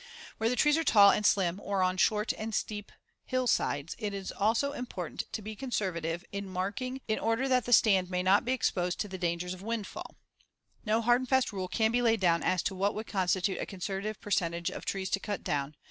Where the trees are tall and slim or on short and steep hillsides, it is also important to be conservative in marking in order that the stand may not be exposed to the dangers of windfall. No hard and fast rule can be laid down as to what would constitute a conservative percentage of trees to cut down.